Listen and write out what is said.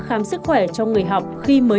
khám sức khỏe cho người học khi mới